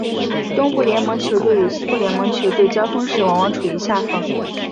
东部联盟球队与西部联盟球队交锋时往往处于下风。